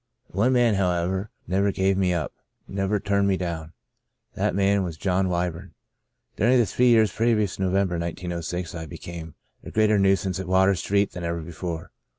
One man, however, never gave me up — never turned me down. That man was John Wyburn. During the three years previous to Novem ber, 1906, I became a greater nuisance at Water Street than ever before.